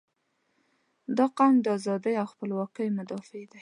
• دا قوم د ازادۍ او خپلواکۍ مدافع دی.